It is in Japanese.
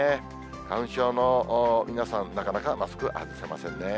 花粉症の皆さん、なかなかマスク外せませんね。